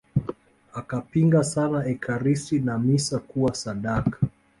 Akapinga sana Ekaristi na misa kuwa sadaka